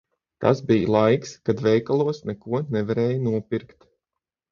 Tas bija laiks, kad veikalos neko nevarēja nopirkt.